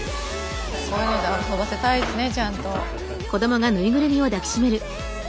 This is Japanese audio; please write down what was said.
こういうので遊ばせたいですねちゃんと。